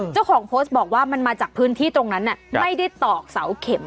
เจ้าของโพสต์บอกว่ามันมาจากพื้นที่ตรงนั้นไม่ได้ตอกเสาเข็ม